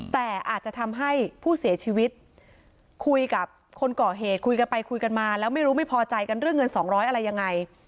แต่อาจจะทำให้ผู้เสียชีวิตคุยกับคนก่อเหตุคุยกันไปคุยกันมาแล้วไม่รู้ไม่พอใจกันเรื่องเงินสองร้อยอะไรยังไง